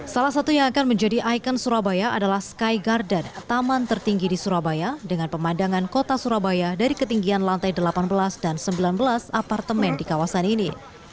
salah satu yang akan menjadi ikon surabaya adalah sky garden taman tertinggi di surabaya dengan pemandangan kota surabaya dari ketinggian lantai delapan belas dan sembilan belas apartemen di kawasan ini